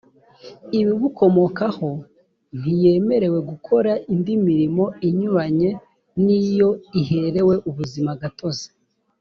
ibibukomokaho ntiyemerewe gukora indi mirimo inyuranye n iyo iherewe ubuzimagatozi